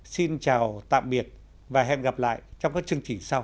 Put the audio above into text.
xin chào tạm biệt và hẹn gặp lại trong các chương trình sau